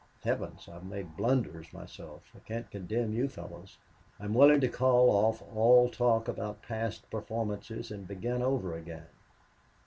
Heavens! I've made blunders myself. I can't condemn you fellows. I'm willing to call off all talk about past performances and begin over again."